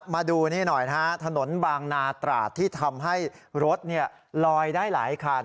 มาดูนี่หน่อยนะฮะถนนบางนาตราดที่ทำให้รถลอยได้หลายคัน